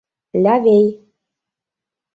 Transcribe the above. Лявей.